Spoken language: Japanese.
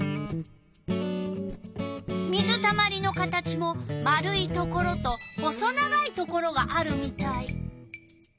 水たまりの形も丸いところと細長いところがあるみたい。